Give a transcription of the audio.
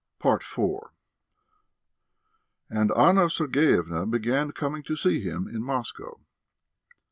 IV And Anna Sergeyevna began coming to see him in Moscow.